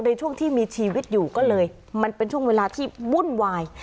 ในช่วงที่มีชีวิตอยู่ก็เลยมันเป็นช่วงเวลาที่วุ่นวาย